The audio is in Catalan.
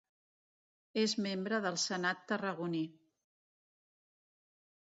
És membre del Senat Tarragoní.